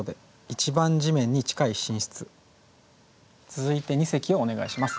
続いて二席をお願いします。